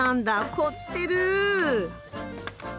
凝ってる！